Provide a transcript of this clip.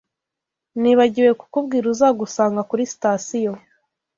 Nibagiwe kukubwira uzagusanga kuri sitasiyo.